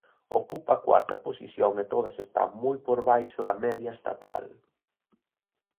Ocupa a cuarta posición e todas están moi por baixo da media estatal.